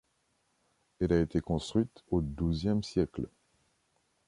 Elle a été construite au douzième siècle.